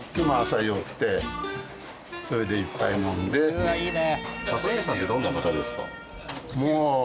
うわあいいね！